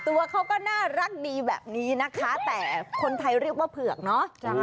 ตัวเขาก็น่ารักดีแบบนี้นะคะแต่คนไทยเรียกว่าเผือกเนอะ